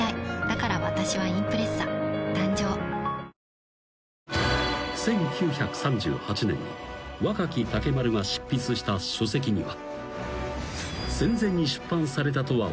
キリン「陸」［１９３８年に若木竹丸が執筆した書籍には］